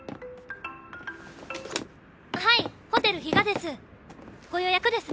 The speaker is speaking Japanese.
☎はいホテル比嘉です。